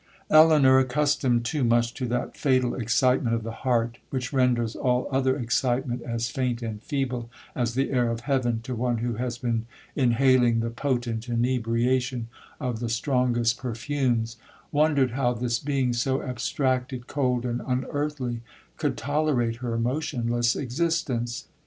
'Elinor, accustomed too much to that fatal excitement of the heart, which renders all other excitement as faint and feeble as the air of heaven to one who has been inhaling the potent inebriation of the strongest perfumes, wondered how this being, so abstracted, cold, and unearthly, could tolerate her motionless existence.